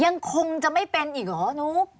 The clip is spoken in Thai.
ยังคงจะไม่เป็นอีกเหรอนุ๊ก